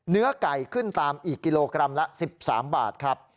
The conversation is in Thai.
เนื้อไก่ขึ้นตามอีกกิโลกรัมละ๑๓บาทครับ